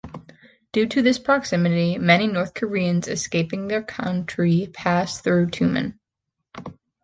Due to this proximity, many North Koreans escaping their country pass through Tumen.